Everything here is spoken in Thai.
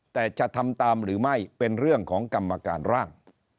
แต่จะทำตามหรือไม่เป็นเรื่องของกรรมการร่าง